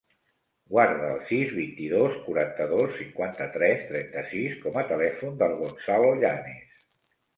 Guarda el sis, vint-i-dos, quaranta-dos, cinquanta-tres, trenta-sis com a telèfon del Gonzalo Llanes.